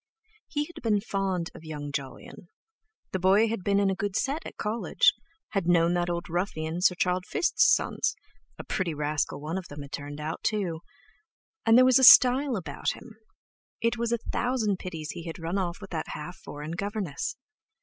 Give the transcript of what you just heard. He had been fond of young Jolyon: the boy had been in a good set at College, had known that old ruffian Sir Charles Fiste's sons—a pretty rascal one of them had turned out, too; and there was style about him—it was a thousand pities he had run off with that half foreign governess!